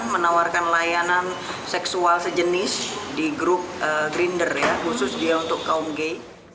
menawarkan layanan seksual sejenis di grup grinder ya khusus dia untuk kaum gay